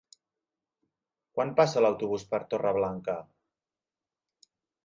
Quan passa l'autobús per Torreblanca?